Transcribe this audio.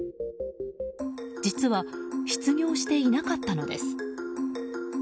実は失業していなかったのです。